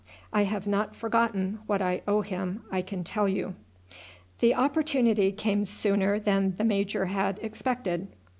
I have not forgotten what I owe him, I can tell you." The opportunity came sooner than the major had expected.